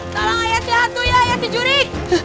tolong ayat si hantu ya ayat si jurik